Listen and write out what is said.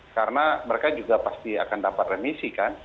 karena mereka juga pasti akan dapat remisi kan